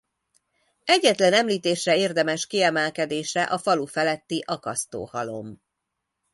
Egyetlen említésre érdemes kiemelkedése a falu feletti Akasztó-halom.